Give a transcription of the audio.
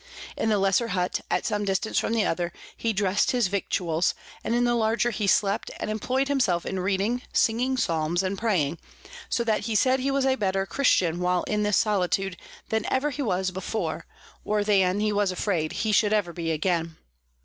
In the lesser Hutt, at some distance from the other, he dress'd his Victuals, and in the larger he slept, and employ'd himself in reading, singing Psalms, and praying; so that he said he was a better Christian while in this Solitude than ever he was before, or than, he was afraid, he should ever be again.